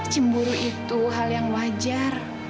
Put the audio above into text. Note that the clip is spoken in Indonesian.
cemburu itu hal yang wajar